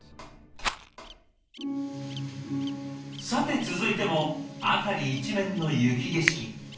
さて続いても辺り一面の雪景色。